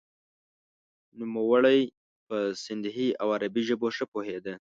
نوموړی په سندهي او عربي ژبو ښه پوهیده.